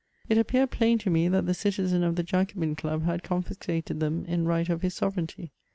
It appeared phun to me that the citiien of the Jacobm dub had confiscated them in right of his sovereignty.